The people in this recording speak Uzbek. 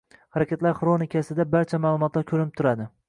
Harakatlar xronologiyasida barcha ma’lumotlar ko‘rinib turadi